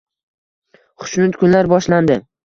Xushnud kunlar boshlandi